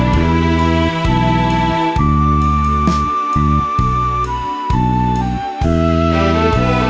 คนหญิง